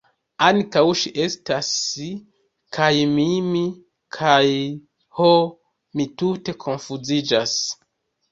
Ankaŭ ŝi estas si, kaj mi mi, kaj... ho, mi tute konfuziĝas!